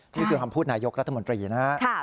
นี่คือคำพูดนายกรัฐมนตรีนะครับ